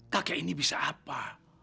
kakek ini bisa apa